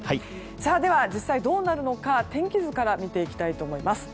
では、実際どうなるのか天気図から見ていきます。